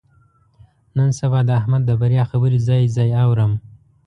نن سبا د احمد د بریا خبرې ځای ځای اورم.